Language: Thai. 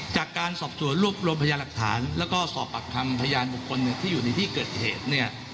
จากการสอบสวนรวบรวมพยาหลักฐานแล้วก็สอบปากคำพยานบุคคลที่อยู่ในที่เกิดเหตุเนี่ย